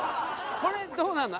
これどうなるの？